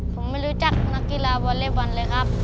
ผมไม่รู้จักนักกีฬาวอเล็กบอลเลยครับ